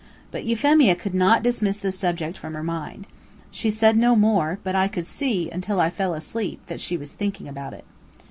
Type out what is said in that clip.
But Euphemia could not dismiss the subject from her mind. She said no more, but I could see until I fell asleep that she was thinking about it.